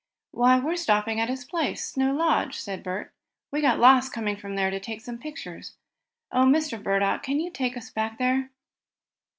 "Why, we're stopping at his place Snow Lodge," said Bert. "We got lost coming from there to take some pictures. Oh, Mr. Burdock, can you take us back there?"